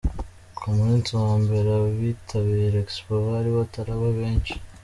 Ku munsi wa mbere abitabira Expo bari bataraba benshi.